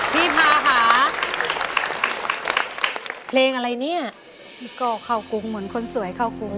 พี่พาค่ะเพลงอะไรเนี่ยพี่ก่อเข้ากรุงเหมือนคนสวยเข้ากรุง